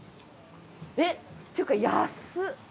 えっていうかやすっ！